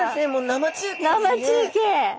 生中継！